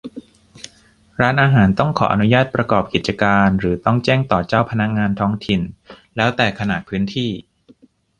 ร้านอาหารต้องขออนุญาตประกอบกิจการหรือต้องแจ้งต่อเจ้าพนักงานท้องถิ่น แล้วแต่ขนาดพื้นที่